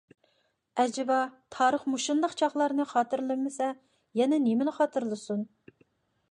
ئەجەبا تارىخ مۇشۇنداق چاغلارنى خاتىرىلىمىسە، يەنە نېمىنى خاتىرىلىسۇن!